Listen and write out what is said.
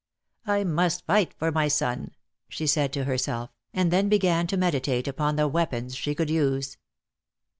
"I must fight for my son," she said to herself, and then began to meditate upon the weapons she could use.